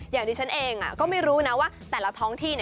อย่างที่ฉันเองก็ไม่รู้นะว่าแต่ละท้องที่